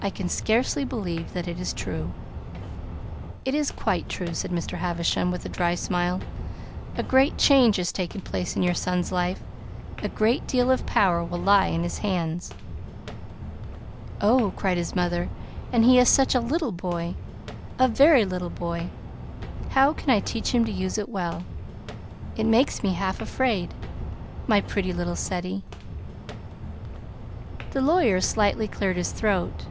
I can scarcely believe that it is true." "It is quite true," said Mr. Havisham, with his dry smile. "A great change has taken place in your son's life, a great deal of power will lie in his hands." "Oh!" cried his mother. "And he is such a little boy a very little boy. How can I teach him to use it well? It makes me half afraid. My pretty little Ceddie!" The lawyer slightly cleared his throat.